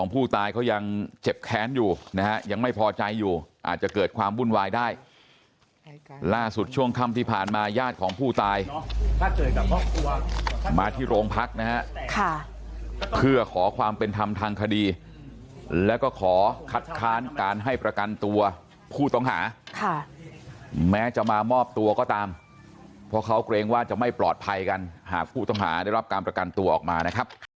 ผู้ตายเขายังเจ็บแค้นอยู่นะฮะยังไม่พอใจอยู่อาจจะเกิดความวุ่นวายได้ล่าสุดช่วงค่ำที่ผ่านมาญาติของผู้ตายมาที่โรงพักนะฮะเพื่อขอความเป็นธรรมทางคดีแล้วก็ขอคัดค้านการให้ประกันตัวผู้ต้องหาแม้จะมามอบตัวก็ตามเพราะเขาเกรงว่าจะไม่ปลอดภัยกันหากผู้ต้องหาได้รับการประกันตัวออกมานะครับ